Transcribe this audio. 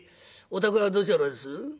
お宅はどちらです？」。